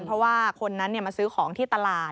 เพราะว่าคนนั้นมาซื้อของที่ตลาด